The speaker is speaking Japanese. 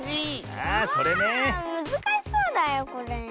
あむずかしそうだよこれ。